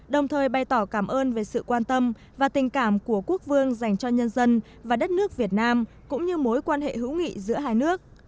đồng thời bày tỏ cảm ơn về sự quan tâm và tình cảm của quốc vương dành cho nhân dân và đất nước việt nam cũng như mối quan hệ hữu nghị giữa hai nước